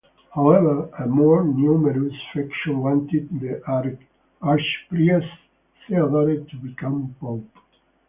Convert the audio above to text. However, a more numerous faction wanted the Archpriest Theodore to become pope.